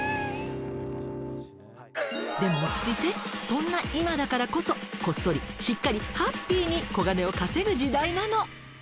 そんな今だからこそこっそりしっかりハッピーに小金を稼ぐ時代なの。